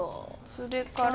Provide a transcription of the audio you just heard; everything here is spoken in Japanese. それから。